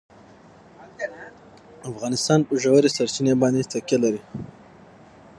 افغانستان په ژورې سرچینې باندې تکیه لري.